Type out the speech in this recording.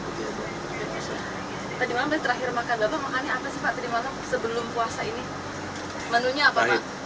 menunya apa pak